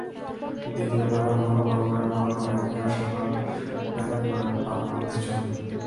দ্বিতীয় দফার ভোট গ্রহণের পরও একই আশাবাদ ব্যক্ত করেছে বাম-কংগ্রেস জোট।